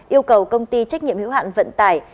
yêu cầu công ty trách nhiệm hữu hạn vận tải